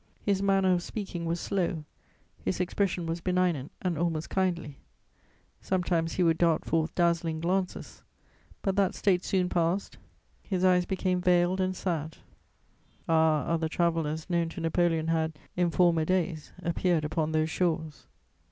His manner of speaking was slow; his expression was benignant and almost kindly; sometimes he would dart forth dazzling glances, but that state soon passed: his eyes became veiled and sad. [Sidenote: Napoleon at St. Helena.] Ah, other travellers known to Napoleon had, in former days, appeared upon those shores!